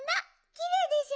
きれいでしょ。